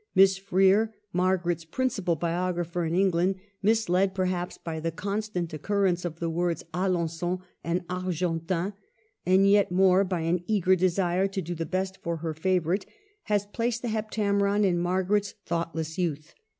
Miss Freer, Mai garet's principal biographer in England, misled, perhaps, by the constant occurrence of the words Alengon and Argentan, and yet more by an eager desire to do the best for her favorite, has placed the '' Heptameron " in Margaret's thoughtless youth.